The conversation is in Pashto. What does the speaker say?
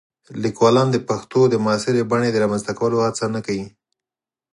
لیکوالان د پښتو د معاصرې بڼې د رامنځته کولو هڅه نه کوي.